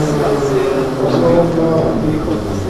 پسُوم نݴ